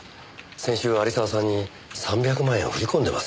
先週有沢さんに３００万円を振り込んでますよね？